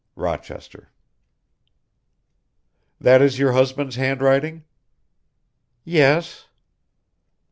"ROCHESTER." "That is your husband's handwriting?" "Yes."